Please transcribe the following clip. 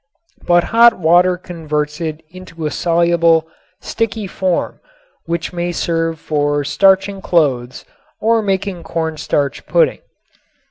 But hot water converts it into a soluble, sticky form which may serve for starching clothes or making cornstarch pudding.